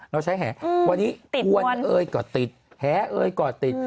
แล้วใช้แห่วันนี้อ้วนเอ้ยก็ติดแห่เอ้ยก็ติด